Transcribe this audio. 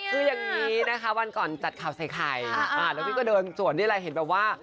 ก็ยังงี้นะคะวันก่อนจัดข่าวใส่ไข่อ่าแล้วพี่ก็เดินส่วนที่อะไรเห็นแบบว่า